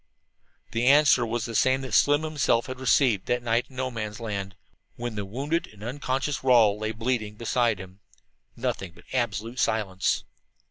The answer was the same that Slim himself had received that night in No Man's Land when the wounded and unconscious Rawle lay bleeding beside him nothing but absolute silence.